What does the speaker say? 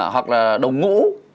hoặc là đồng ngũ